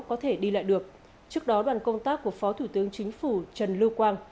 có thể đi lại được trước đó đoàn công tác của phó thủ tướng chính phủ trần lưu quang